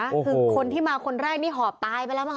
คือคนที่มาคนร่ายนี่ห่อปายไปแล้วมั้งฮะ